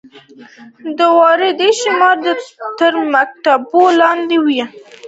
د واردې شمیره تر مکتوب لاندې وي.